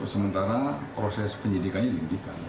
sementara proses penyidikannya dindingkan